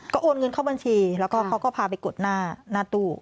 ก็โอนเงินเข้าบัญชีแล้วก็เขาก็พาไปกดหน้าตู้